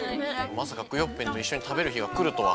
まさかクヨッペンといっしょにたべるひがくるとは。